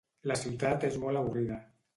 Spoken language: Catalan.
La ciutat és molt avorrida.